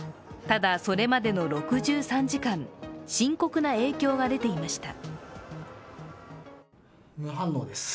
ただそれまでの６３時間、深刻な影響が出ていました。